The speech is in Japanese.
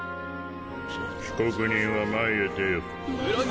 被告人は前へ出よ。